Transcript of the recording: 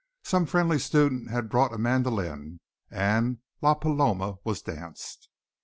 Some friendly student had brought a mandolin and "La Paloma" was danced.